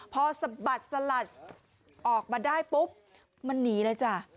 พอสะบัดสลัดออกมาได้ปุ๊บมันหนีเลยจ้ะ